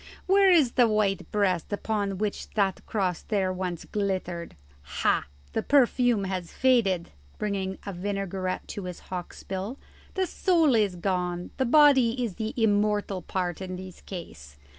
Where is the white breast upon which that cross there once glittered? Ha! the perfume has faded," bringing a vinaigrette to his hawk's bill; "the soul is gone; the body is the immortal part in this case.